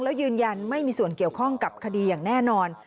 แล้วยืนยันไม่มีส่วนเกี่ยวข้องกับคดีอย่างแน่นอน